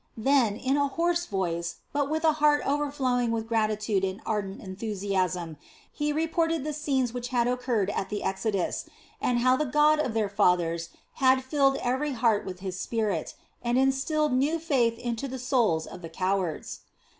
Then, in a hoarse voice, but from a heart overflowing with gratitude and ardent enthusiasm, he reported the scenes which had occurred at the exodus, and how the God of their fathers had filled every heart with His spirit, and instilled new faith into the souls of the cowards.